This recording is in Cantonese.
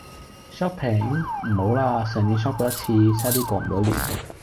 Shopping? 唔好啦，上年 shop 過一次，差啲過唔到年!